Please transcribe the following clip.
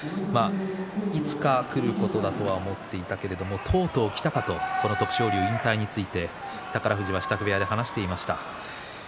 いつかくることだとは思っていたけれどもとうとうきたかとこの徳勝龍引退について宝富士は支度部屋で話していました。